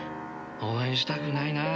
応援したくないな。